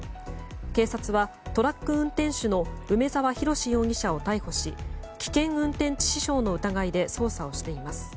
警察はトラック運転手の梅沢洋容疑者を逮捕し危険運転致死傷の疑いで捜査をしています。